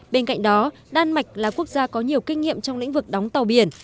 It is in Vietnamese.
bên cạnh đó đan mạch là quốc gia có nhiều kinh nghiệm trong lĩnh vực đóng tàu biển